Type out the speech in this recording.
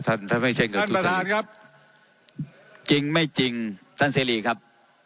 ท่านท่านไม่เช่นกับทุกท่านครับจริงไม่จริงท่านเซรีครับ